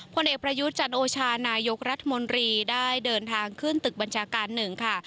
ผลเอกประยุทธ์จันโอชานายกรัฐมนตรีได้เดินทางขึ้นตึกบัญชาการหนึ่งค่ะ